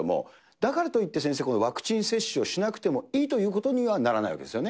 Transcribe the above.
だからといって、先生、ワクチン接種をしなくてもいいということにはならないわけですよね。